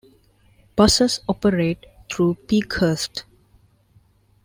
Buses operate through Peakhurst.